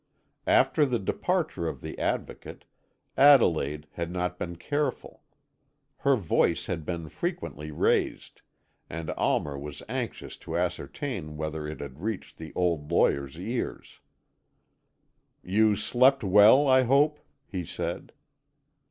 After the departure of the Advocate, Adelaide had not been careful; her voice had been frequently raised, and Almer was anxious to ascertain whether it had reached the old lawyer's ears. "You slept well, I hope," he said.